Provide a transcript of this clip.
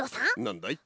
なんだい？